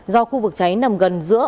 do khu vực cháy nằm gần giữa